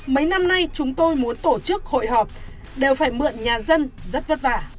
mấy năm nay chúng tôi muốn tổ chức hội họp đều phải mượn nhà dân rất vất vả